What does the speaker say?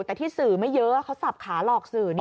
แต่ที่สื่อไม่เยอะเขาสับขาหลอกสื่อ